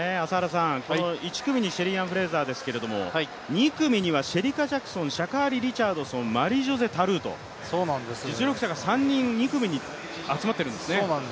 １組にシェリーアン・フレイザーですけどシャカリ・リチャードソン、マリージョセ・タルーと実力者が３人２組に集まっているんですよね。